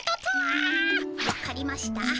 わかりました。